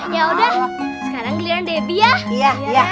ya udah sekarang glian debbie ya